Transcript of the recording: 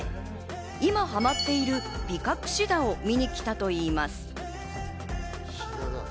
今ハマっているビカクシダを見に来たといいます。